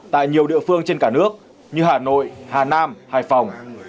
tại nhiều địa phương trên cả nước như hà nội hà nam hải phòng